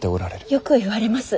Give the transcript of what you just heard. よく言われます。